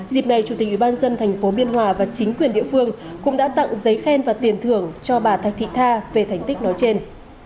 dịp này chủ tịch ủy ban dân thành phố biên hòa và chính quyền địa phương cũng đã tặng giấy khen và tiền thưởng cho bà thạch thị tha về thành tích nói trên